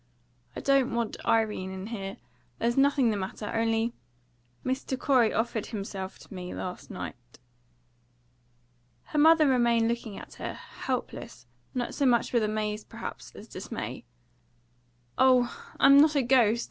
"I don't want Irene in here. There's nothing the matter. Only, Mr. Corey offered himself to me last night." Her mother remained looking at her, helpless, not so much with amaze, perhaps, as dismay. "Oh, I'm not a ghost!